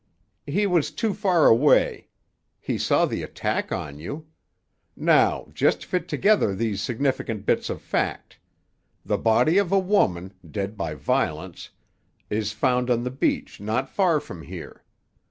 "He was too far away. He saw the attack on you. Now, just fit together these significant bits of fact. The body of a woman, dead by violence, is found on the beach not far from here.